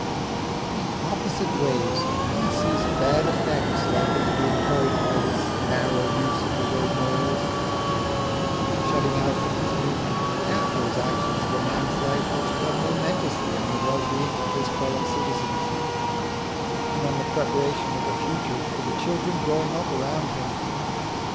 In opposite ways one sees bad effects likely to be encouraged by this narrow use of the word morals, shutting out from its meaning half those actions of a man's life which tell momentously on the wellbeing of his fellow citizens, and on the preparation of a future for the children growing up around him.